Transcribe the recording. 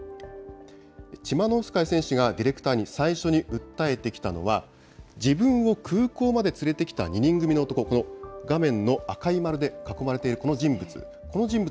チマノウスカヤ選手がディレクターに最初に訴えてきたのは、自分を空港まで連れてきた２人組の男、この画面の赤い丸で囲まれているこの人物。